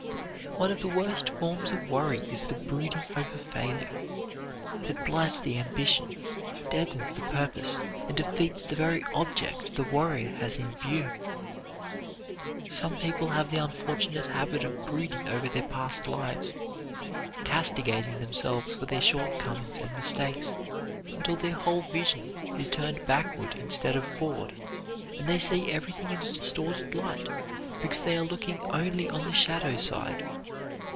One of the worst forms of worry is the brooding over failure. It blights the ambition, deadens the purpose and defeats the very object the worrier has in view. Some people have the unfortunate habit of brooding over their past lives, castigating themselves for their shortcomings and mistakes, until their whole vision is turned backward instead of forward, and they see everything in a distorted light, because they are looking only on the shadow side.